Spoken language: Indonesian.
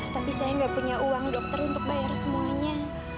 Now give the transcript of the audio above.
tapi saya nggak punya uang dokter untuk bayar semuanya